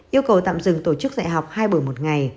yêu cầu tạm dừng tổ chức dạy học hai buổi một ngày